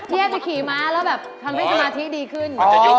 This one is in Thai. แทบจะขี่ม้าแล้วแบบทำให้สมาธิดีขึ้น